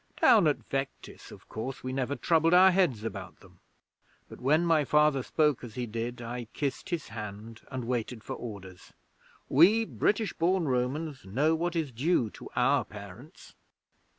Down at Vectis, of course, we never troubled our heads about them. But when my Father spoke as he did, I kissed his hand, and waited for orders. We British born Romans know what is due to our parents.'